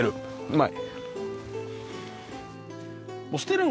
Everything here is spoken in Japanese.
うまい。